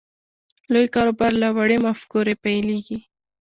لوی کاروبار له وړې مفکورې پیلېږي